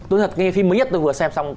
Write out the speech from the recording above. tôi đã nghe phim mới nhất tôi vừa xem xong